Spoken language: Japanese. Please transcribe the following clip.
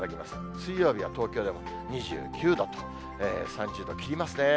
水曜日は東京でも２９度と、３０度を切りますね。